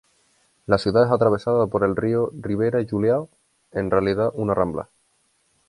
La ciudad es atravesada por el río Ribeira Julião, en realidad una rambla.